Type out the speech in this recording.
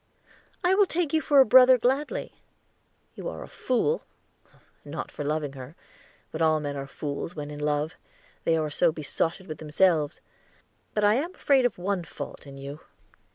"I will take you for a brother gladly. You are a fool not for loving her, but all men are fools when in love, they are so besotted with themselves. But I am afraid of one fault in you."